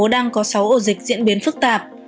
đang có sáu ổ dịch diễn biến phức tạp